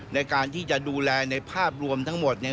ในการที่จะดูแลในภาพรวมทั้งหมด